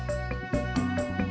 kamu sama amin